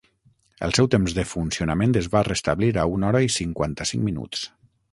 El seu temps de funcionament es va restablir a una hora i cinquanta-cinc minuts.